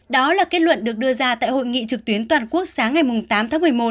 đó là kết luận được đưa ra tại hội nghị trực tuyến toàn quốc sáng ngày tám tháng một mươi một